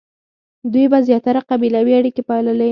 دوی به زیاتره قبیلوي اړیکې پاللې.